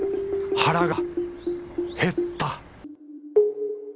腹が減った！